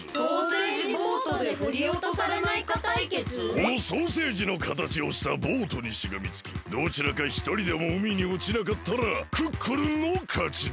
このソーセージのかたちをしたボートにしがみつきどちらかひとりでもうみにおちなかったらクックルンのかちだ！